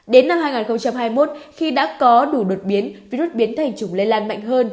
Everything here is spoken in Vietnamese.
đến năm hai nghìn hai mươi một khi đã có đủ đột biến virus biến thành chủng lây lan mạnh hơn